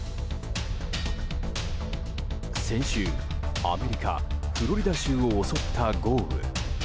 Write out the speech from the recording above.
先週、アメリカ・フロリダ州を襲った豪雨。